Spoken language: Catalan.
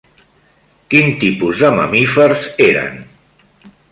Quin tipus de mamífers eren?